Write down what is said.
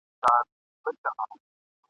پر خوني لارو مي خیژي د خوبونو تعبیرونه !.